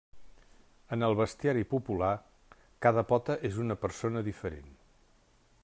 En el bestiari popular, cada pota és una persona diferent.